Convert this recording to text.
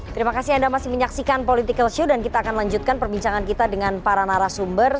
terima kasih anda masih menyaksikan political show dan kita akan lanjutkan perbincangan kita dengan para narasumber